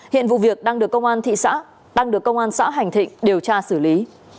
hiện vụ việc đang được công an xã hành thịnh điều tra xử lý